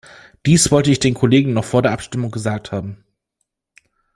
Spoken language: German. Dies wollte ich den Kollegen noch vor der Abstimmung gesagt haben.